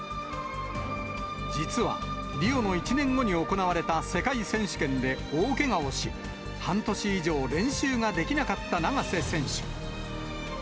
実は、リオの１年後に行われた世界選手権で大けがをし、半年以上、練習ができなかった永瀬選手。